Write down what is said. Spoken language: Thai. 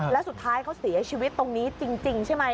แล้วสุดท้ายเขาเสียชีวิตตรงนี้จริงใช่ไหม